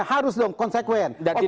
harus dong konsekuensi